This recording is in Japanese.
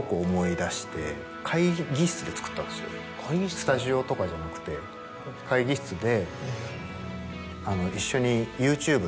スタジオとかじゃなくて会議室で。